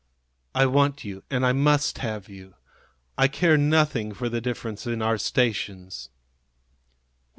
I want you, and I must have you. I care nothing for the difference in our stations."